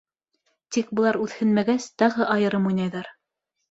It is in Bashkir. Тик былар үҙһенмәгәс, тағы айырым уйнайҙар.